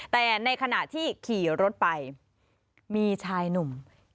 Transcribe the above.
แต่ในขณะที่ขี่รถไปมีชายหนุ่ม